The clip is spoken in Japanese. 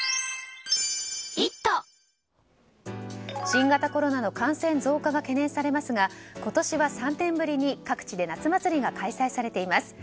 新型コロナの感染増加が懸念されますが今年は３年ぶりに各地で夏祭りが開催されています。